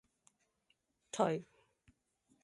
頹